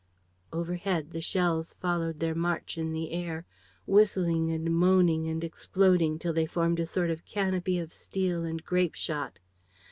Overhead, the shells followed their march in the air, whistling and moaning and exploding till they formed a sort of canopy of steel and grape shot.